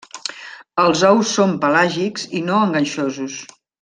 Els ous són pelàgics i no enganxosos.